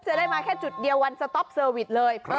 จะได้มาแค่จุดเดียววันสต๊อปเซอร์วิสเลย